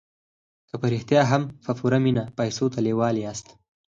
که په رښتیا هم په پوره مينه پيسو ته لېوال ياست.